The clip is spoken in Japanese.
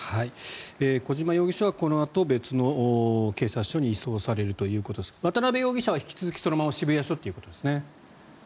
小島容疑者はこのあと別の警察署に移送されるということですが渡邉容疑者は引き続き、そのまま渋谷署ということですね。